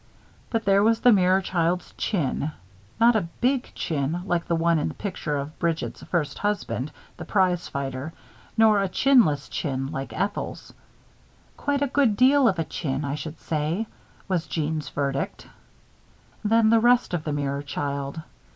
Then there was the mirror child's chin. Not a big chin like the one in the picture of Bridget's first husband, the prize fighter; nor a chinless chin like Ethel's. "Quite a good deal of a chin, I should say," was Jeanne's verdict. Then the rest of the mirror child.